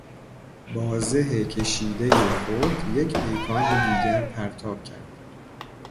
با زه کشیدهی خود یک پیکان دیگر پرتاب کرد.